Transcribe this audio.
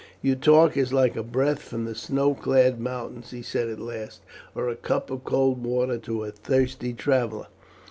"Your talk is like a breath from the snow clad mountains," he said at last, "or a cup of cold water to a thirsty traveller.